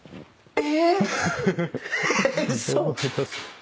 え！